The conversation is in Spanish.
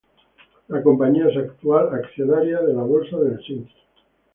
La compañía es actual accionaria de la Bolsa de Helsinki.